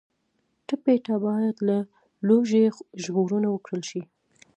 ټپي ته باید له لوږې ژغورنه ورکړل شي.